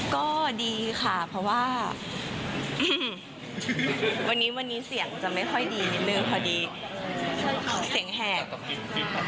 ก็ดีค่ะเพราะว่าวันนี้วันนี้เสียงจะไม่ค่อยดีนิดนึงพอดีเสียงแหก